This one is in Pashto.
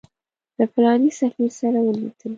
له فلاني سفیر سره ولیدل.